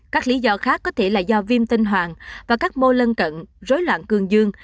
các lý do khác có thể là do viêm tinh hoàng và các mô lân cận rối loạn cường dương